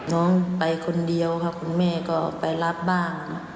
น้องไปคนเดียวค่ะคุณแม่ก็ไปรับบ้าง